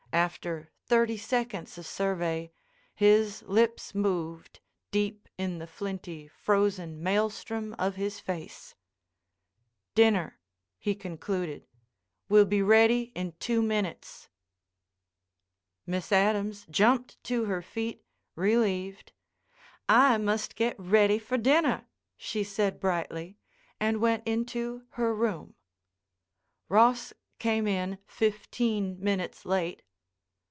After thirty seconds of survey, his lips moved, deep in the flinty, frozen maelstrom of his face: "Dinner," he concluded, "will be ready in two minutes." Miss Adams jumped to her feet, relieved. "I must get ready for dinner," she said brightly, and went into her room. Ross came in fifteen minutes late.